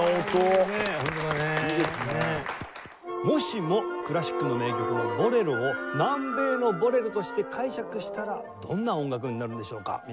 もしもクラシックの名曲の『ボレロ』を南米のボレロとして解釈したらどんな音楽になるんでしょうか？